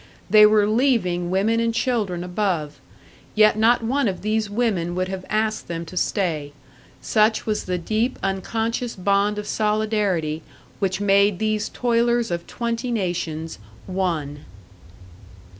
They were leaving women and children above, yet not one of these women would have asked them to stay such was the deep unconscious bond of solidarity which made these toilers of twenty nations one!